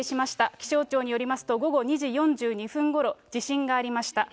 気象庁によりますと、午後２時４２分ごろ、地震がありました。